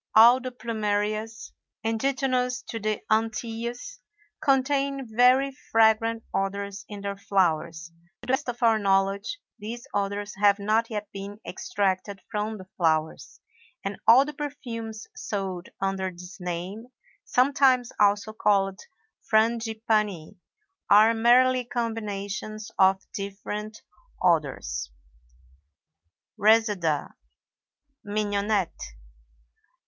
All the Plumerias, indigenous to the Antilles, contain very fragrant odors in their flowers. To the best of our knowledge, these odors have not yet been extracted from the flowers, and all the perfumes sold under this name (sometimes also called Frangipanni) are merely combinations of different odors. RESEDA (MIGNONETTE).